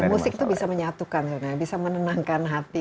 musik itu bisa menyatukan sebenarnya bisa menenangkan hati